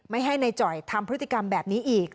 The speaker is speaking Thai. ไม่ให้นายจ่อยทำพฤติกรรมแบบนี้อีก